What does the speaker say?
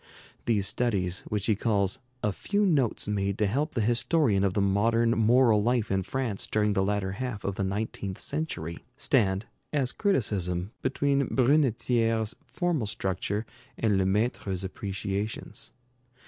These studies, which he calls "a few notes made to help the historian of the modern moral life in France during the latter half of the nineteenth century," stand, as criticism, between Brunetière's formal structure and Lemaître's appreciations.